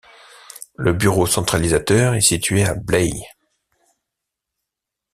Le bureau centralisateur est situé à Blaye.